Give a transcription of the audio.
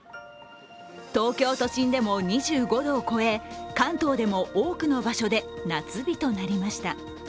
東京都心でも２５度を超え関東でも多くの場所で夏日となりました。